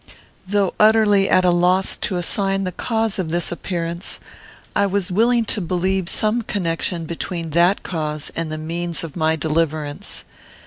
Though utterly at a loss to assign the cause of this appearance, I was willing to believe some connection between that cause and the means of my deliverance.